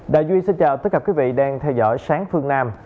đà duy xin chào tất cả quý vị đang theo dõi sáng phương nam